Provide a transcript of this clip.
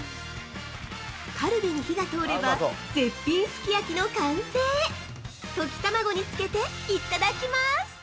◆カルビに火が通れば、絶品すき焼きの完成溶き卵につけていただきます。